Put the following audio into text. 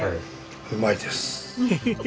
うまいです。